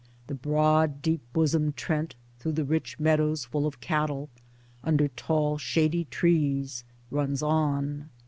The broad deep bosomed Trent through rich meadows full of cattle, under tall shady trees runs on.